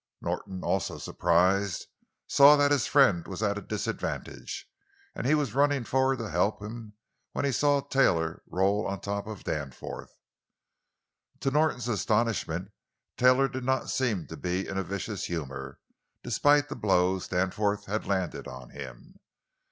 Norton, also surprised, saw that his friend was at a disadvantage, and he was running forward to help him when he saw Taylor roll on top of Danforth. To Norton's astonishment, Taylor did not seem to be in a vicious humor, despite the blows Danforth had landed on him.